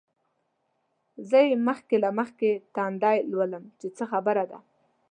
زه یې مخکې له مخکې تندی لولم چې څه خبره ده.